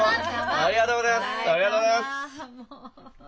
ありがとうございます！